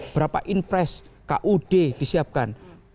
berapa in press kud disiapkan